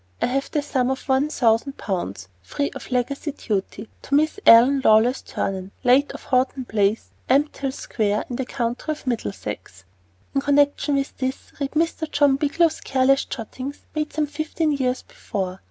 I give the sum of one thousand pounds, free of legacy duty, to Miss Ellen Lawless Ternan, late of Houghton Place, Ampthill Square, in the county of Middlesex. In connection with this, read Mr. John Bigelow's careless jottings made some fifteen years before.